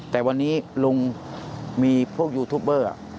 แต่วันนี้ลุงมีพวกยูทูปเบอร์